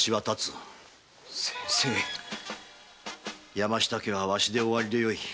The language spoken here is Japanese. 山下家はわしで終わりでよい。